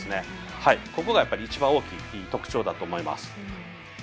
ここが、一番大きい特徴だと思います。